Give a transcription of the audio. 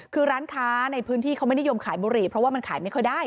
คือร้านค้าในพื้นที่เขาไม่นิยมขายบุหรี่เพราะว่ามันขายไม่ค่อยได้